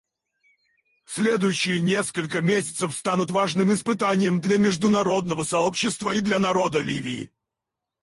Следующие несколько месяцев станут важным испытанием для международного сообщества и для народа Ливии.